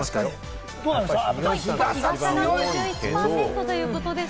日傘が５１％ということです。